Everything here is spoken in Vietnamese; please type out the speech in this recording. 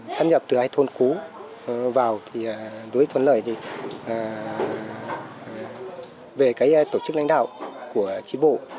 sát nhập từ hai thôn cũ vào đối với thuận lợi về tổ chức lãnh đạo của trí bộ